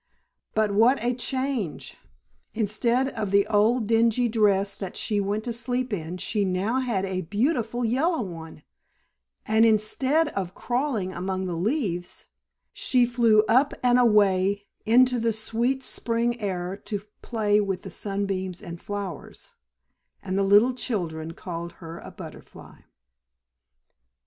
But what a change! Instead of the old dingy dress that she went to sleep in, she now had a beautiful yellow one; and, instead of crawling among the leaves, she flew up and away into the sweet spring air to play with the sunbeams and flowers; and the little children called her a butterfly.